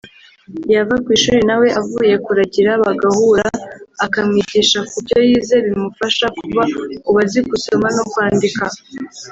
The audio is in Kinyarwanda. yava ku ishuri nawe avuye kuragira bagahura akamwigisha kubyo yize bimufasha kuba ubu azi gusoma no kwandika